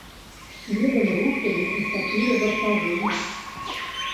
Следам рушылі і чатыры вартавыя.